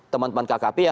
teman teman kkp ya